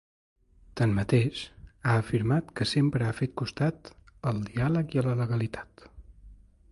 Tanmateix, ha afirmat que sempre ha fet costat ‘al diàleg i la legalitat’.